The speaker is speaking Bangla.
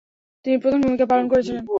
তিনি প্রধান ভূমিকা পালন করেছিলেন।